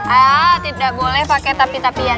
ah tidak boleh pakai tapi tapian